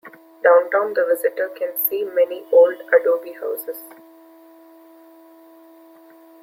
Downtown the visitor can see many old adobe houses.